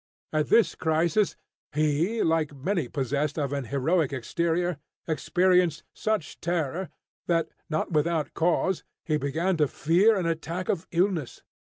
at this crisis, he, like many possessed of an heroic exterior, experienced such terror, that, not without cause, he began to fear an attack of illness.